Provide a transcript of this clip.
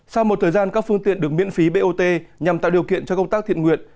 sau một thời gian các phương tiện được miễn phí bot nhằm tạo điều kiện cho công tác thiện nguyện